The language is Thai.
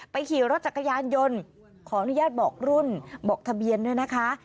ขี่รถจักรยานยนต์ขออนุญาตบอกรุ่นบอกทะเบียนด้วยนะคะ